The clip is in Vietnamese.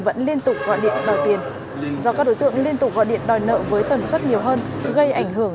vẫn liên tục gọi điện đòi tiền do các đối tượng liên tục gọi điện đòi nợ với tần suất nhiều hơn gây ảnh hưởng